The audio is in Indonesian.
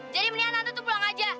jadi mendingan tante tuh pulang aja